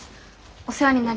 お世話になりました。